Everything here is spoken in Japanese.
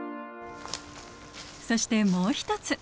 そしてもう一つ。